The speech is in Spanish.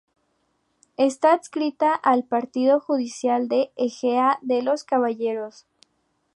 Está adscrita al Partido judicial de Ejea de los Caballeros.